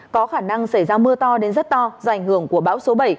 có khả năng xảy ra mưa to đến rất to do ảnh hưởng của bão số bảy